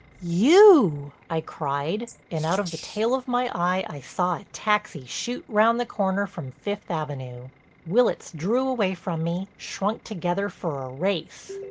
"You!" I cried and out of the tail of my eye I saw a taxi shoot round the corner from Fifth Avenue. Willitts drew away from me, shrunk together for a race.